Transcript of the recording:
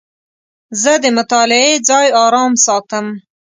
زه د مطالعې ځای آرام ساتم.